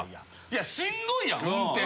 いやしんどいやん運転。